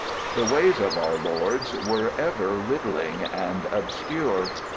The ways of our lords were ever riddling and obscure.